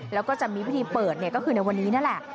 แล้วก็จะมีพิธีเปิดก็คือในวันนี้นั่นแหละ